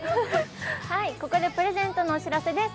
ここでプレゼントのお知らせです。